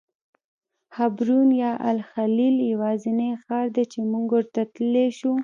حبرون یا الخلیل یوازینی ښار دی چې موږ ورته تللی شو.